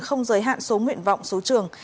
không giới hạn số nguyện vọng số trường